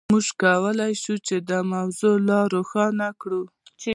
موږ کولای شو دا موضوع لا روښانه کړو.